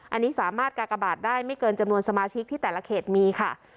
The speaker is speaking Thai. อันนี้สามารถกากบาทได้ไม่เกินจำนวนสมาชิกที่แต่ละเขตมีค่ะ